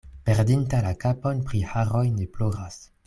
Perdinta la kapon pri haroj ne ploras.